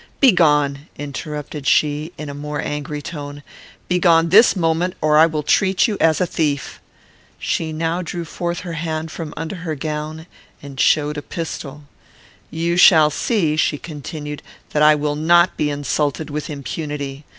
"Begone!" interrupted she, in a more angry tone. "Begone this moment, or I will treat you as a thief." She now drew forth her hand from under her gown, and showed a pistol. "You shall see," she continued, "that I will not be insulted with impunity.